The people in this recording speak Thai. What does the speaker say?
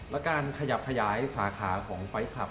แล้วการขยับคย้ายสาขาของไฟท์คัลป์